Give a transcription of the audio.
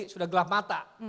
sudah gelap mata